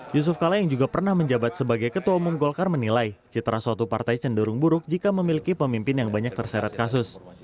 yusuf kala yang juga pernah menjabat sebagai ketua umum golkar menilai citra suatu partai cenderung buruk jika memiliki pemimpin yang banyak terseret kasus